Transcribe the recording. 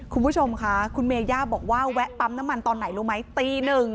คุณผู้ชมค่ะคุณเมย่าบอกว่าแวะปั๊มน้ำมันตอนไหนรู้ไหมตีหนึ่ง